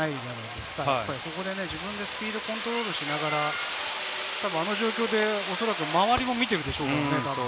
でも、そこでスピードコントロールしながら、あの状況でおそらく周りも見ているでしょう。